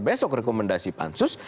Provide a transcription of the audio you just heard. besok rekomendasi pansus